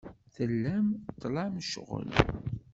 Tellam tlam ccɣel.